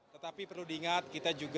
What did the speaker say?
tetapi perlu diingat kita juga